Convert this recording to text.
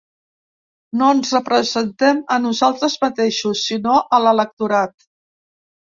No ens representem a nosaltres mateixos, sinó a l’electorat.